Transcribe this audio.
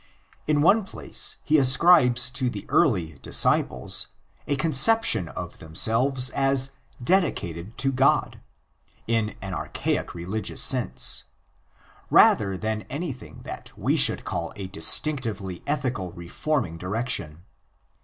In one place he ascribes to the early "disciples" ἃ conception of themselves as 'dedicated to God" in an archaic religious sense, rather than anything that we should call a distinctively ethical reforming direc tion.